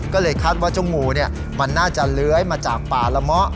ก็เลยคาดว่าเจ้างูเนี่ยมันน่าจะเล้ยมาจากป่าระมะ